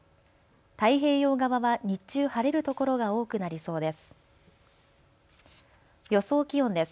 太平洋側は日中、晴れるところが多くなりそうです。